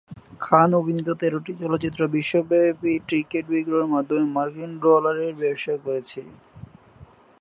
খান অভিনীত তেরোটি চলচ্চিত্র বিশ্বব্যাপী টিকেট বিক্রয়ের মাধ্যমে মার্কিন ডলারের ব্যবসা করেছে।